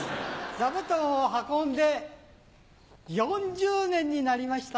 座布団を運んで４０年になりました。